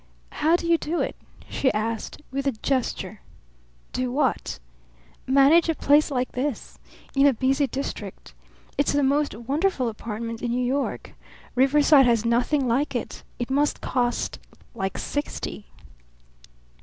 "How do you do it?" she asked with a gesture. "Do what?" "Manage a place like this? In a busy office district. It's the most wonderful apartment in New York. Riverside has nothing like it. It must cost like sixty."